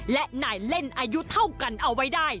และนายเล่นอายุเท่ากันเอาไว้ได้